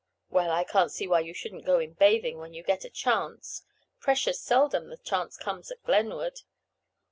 "Well, I can't see why you shouldn't go in bathing when you get a chance. Precious seldom the chance comes at Glenwood."